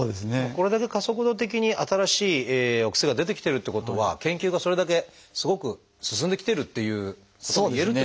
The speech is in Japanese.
これだけ加速度的に新しいお薬が出てきてるってことは研究がそれだけすごく進んできてるっていうこともいえるってことですもんね。